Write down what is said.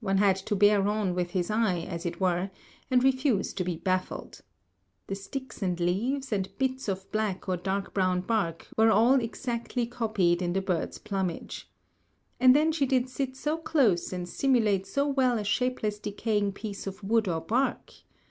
One had to bear on with his eye, as it were, and refuse to be baffled. The sticks and leaves, and bits of black or dark brown bark, were all exactly copied in the bird's plumage. And then she did sit so close and simulate so well a shapeless decaying piece of wood or bark!